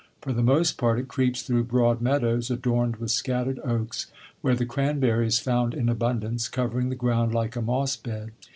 For the most part it creeps through broad meadows, adorned with scattered oaks, where the cranberry is found in abundance, covering the ground like a mossbed.